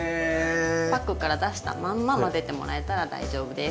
パックから出したまんま混ぜてもらえたら大丈夫です。